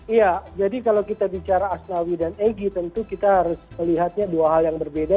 iya jadi kalau kita bicara asnawi dan egy tentu kita harus melihatnya dua hal yang berbeda